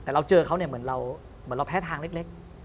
แต่เราเจอเขาเหมือนเราแพ้ทางเล็ก